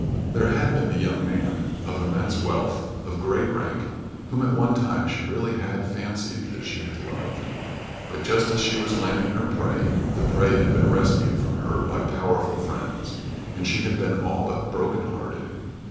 There had been a young man, of immense wealth, of great rank, whom at one time she really had fancied that she had loved; but just as she was landing her prey, the prey had been rescued from her by powerful friends, and she had been all but broken hearted.